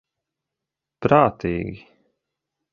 Prātīgi.